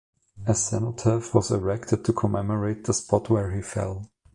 A cenotaph was erected to commemorate the spot where he fell.